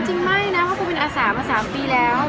จริงไม่นะเพราะกูเป็นอาสามา๓ปีแล้ว